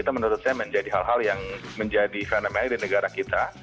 itu menurut saya menjadi hal hal yang menjadi fenomenal di negara kita